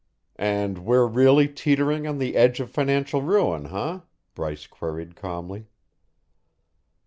"And we're really teetering on the edge of financial ruin, eh?" Bryce queried calmly.